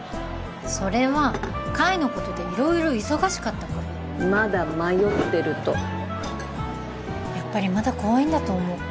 それは海のことで色々忙しかったからまだ迷ってるとやっぱりまだ怖いんだと思う